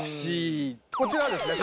こちらはですね